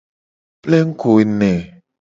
Plengugo ne.